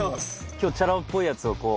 今日チャラ男っぽいやつをこう。